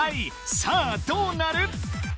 さぁどうなる？